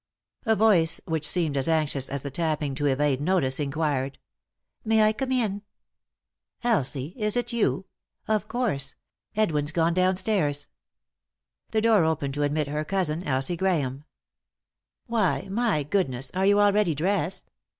A voice, which seemed as anxious as the tapping to evade notice, inquired :" May I come in ?"" Elsie I Is it you ? Of course I Edwin's gone downstairs." The door opened to admit her cousin, Elsie Grahame. "Why — my goodness I — are you already dressed?"